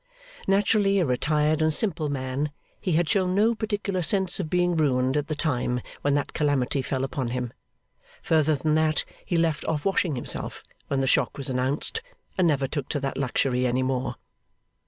Naturally a retired and simple man, he had shown no particular sense of being ruined at the time when that calamity fell upon him, further than that he left off washing himself when the shock was announced, and never took to that luxury any more.